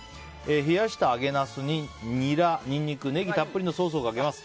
冷やした揚げナスにニラ、ニンニク、ネギたっぷりのソースをかけます。